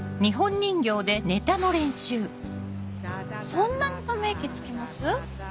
そんなにため息つきます？